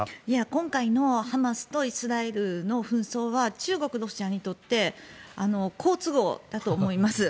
今回のハマスとイスラエルの紛争は中国、ロシアにとって好都合だと思います。